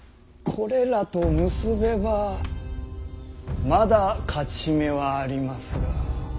これらと結べばまだ勝ち目はありますが。